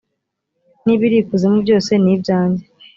n ibiri i kuzimu byose ni ibyanjye